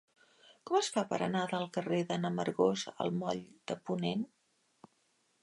Com es fa per anar del carrer de n'Amargós al moll de Ponent?